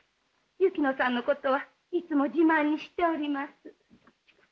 雪野さんのことはいつも自慢にしております。